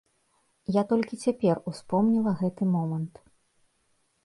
Я толькі цяпер успомніла гэты момант.